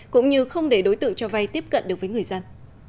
cũng như không để đối tượng cho vay tiếp cận được với người dân